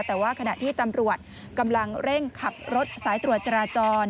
แต่ว่าขณะที่ตำรวจกำลังเร่งขับรถสายตรวจจราจร